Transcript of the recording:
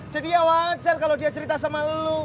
jadi ya wajar kalo dia cerita sama elu